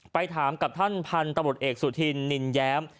ไปถามกับท่านพันธุ์ตำรวจเอกสุธินนินแย้ม